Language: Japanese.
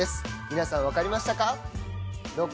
皆さん分かりましたか？